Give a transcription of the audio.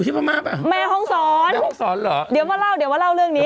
เออเราจะไปเข้าไปแม่ห้องสอนเดี๋ยวมาเล่าเรียกว่าเล่าเรื่องนี้